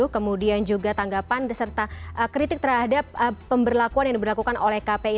kemudian juga tanggapan beserta kritik terhadap pemberlakuan yang diberlakukan oleh kpi